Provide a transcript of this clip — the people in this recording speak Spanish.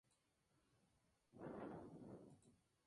Compuso, además, algunos tratados de filosofía moral y teología.